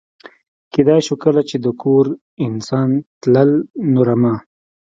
کېدای شو کله چې د کور انسان تلل، نو رمه.